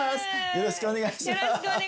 よろしくお願いします。